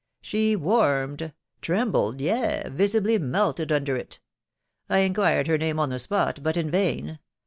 She warmed, trembled, yea, visibly melted under it. I inquired her name on the spot, but in vain.